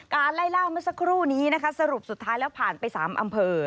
ไล่ล่าเมื่อสักครู่นี้นะคะสรุปสุดท้ายแล้วผ่านไป๓อำเภอ